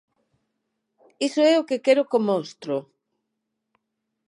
Iso é o que quero con Monstro.